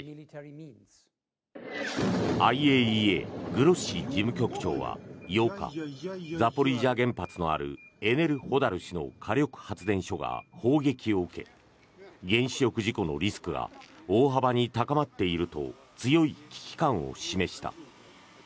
ＩＡＥＡ、グロッシ事務局長は８日ザポリージャ原発のあるエネルホダル市の火力発電所が砲撃を受け原子力事故のリスクが大幅に高まっていると強い危機感を示した。